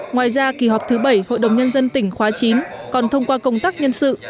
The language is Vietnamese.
ngoài ra kỳ họp thứ bảy hội đồng nhân dân tỉnh khóa chín còn thông qua công tác nhân sự